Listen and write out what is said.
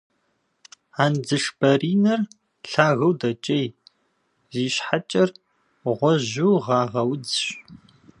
Андзышбаринэр лъагэу дэкӏей, зи щхьэкӏэр гъуэжьу гъагъэ удзщ.